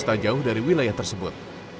tak jauh dari wilayah tersebut